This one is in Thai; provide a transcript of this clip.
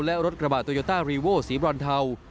และรถกระบะโตโยต้ารีโว้สีบรอนเทา